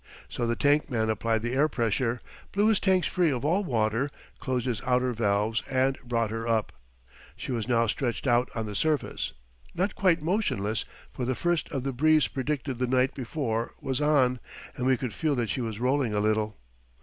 So the tank man applied the air pressure, blew his tanks free of all water, closed his outer valves and brought her up. She was now stretched out on the surface not quite motionless, for the first of the breeze predicted the night before was on and we could feel that she was rolling a little.